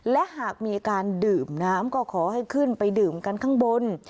และหากมีการดื่มน้ำก็ขอให้ขึ้นไปดื่มกันข้างบน